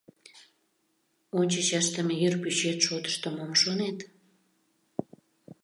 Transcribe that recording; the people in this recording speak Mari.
Ончыч ыштыме ир пӱчет шотышто мом шонет?